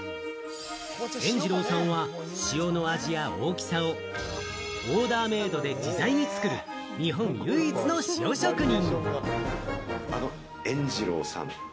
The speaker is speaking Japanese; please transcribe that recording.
塩二郎さんは、塩の味や大きさをオーダーメイドで自在に作る日本唯一の塩職人。